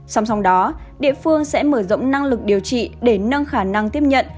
song song đó địa phương sẽ mở rộng năng lực điều trị để nâng khả năng tiếp nhận